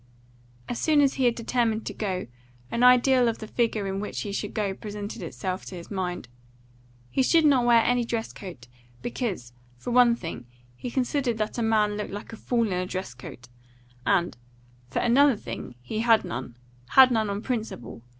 As soon as he had determined to go, an ideal of the figure in which he should go presented itself to his mind. He should not wear any dress coat, because, for one thing, he considered that a man looked like a fool in a dress coat, and, for another thing, he had none had none on principle.